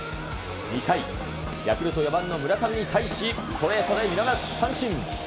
２回、ヤクルト４番の村上に対し、ストレートで見逃し三振。